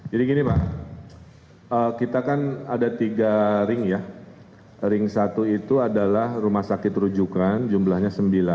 gini pak kita kan ada tiga ring ya ring satu itu adalah rumah sakit rujukan jumlahnya sembilan